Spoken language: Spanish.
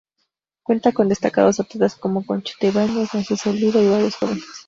Cuentan con destacados atletas como Conchita Ibáñez, Narciso Oliva y varios jóvenes.